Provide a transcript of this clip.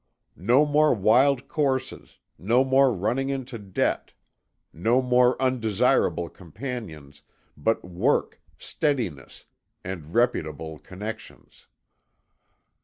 No more wild courses, no more running into debt, no more undesirable companions, but work, steadiness, and reputable connexions.